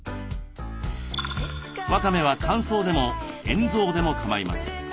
わかめは乾燥でも塩蔵でも構いません。